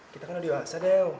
kita kan ada di waksa dew